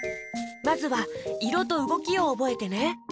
まずはいろとうごきをおぼえてね！